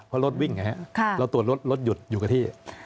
เพราะรถวิ่งไงฮะเราตรวจรถรถหยุดอยู่กับที่